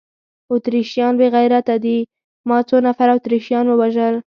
اتریشیان بې غیرته دي، ما څو نفره اتریشیان ووژل؟